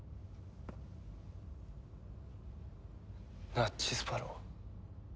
ナッジスパロウ。